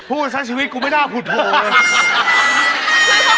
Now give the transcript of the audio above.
พูดสักชีวิตกูไม่ได้เอาผุดโทรเลย